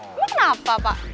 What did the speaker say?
ini kenapa pak